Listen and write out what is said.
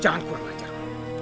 jangan kurang lajar